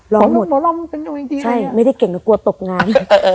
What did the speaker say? ร้องหมดไม่ได้เก่งแต่กลัวตกงาน